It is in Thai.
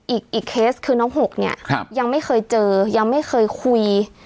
อีกเคสคือน้องหกเนี่ยยังไม่เคยเจอยังไม่เคยคุย